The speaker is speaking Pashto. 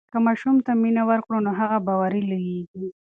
که ماشوم ته مینه ورکړو نو هغه باوري لویېږي.